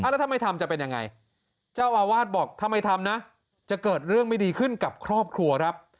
แล้วถ้าไม่ทำจะเป็นยังไงเจ้าอาวาสบอกถ้าไม่ทำนะจะเกิดเรื่องไม่ดีขึ้นกับครอบครัวครับ